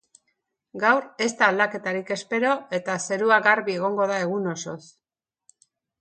Gaur ez da aldaketarik espero eta zerua garbi egongo da egun osoz.